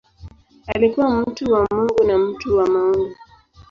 Alikuwa mtu wa Mungu na mtu wa maombi.